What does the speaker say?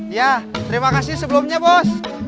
ya terima kasih sebelumnya bos